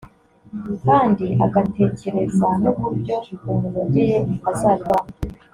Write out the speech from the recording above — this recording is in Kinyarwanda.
kandi agatekereza n'uburyo bumunogeye azabikoramo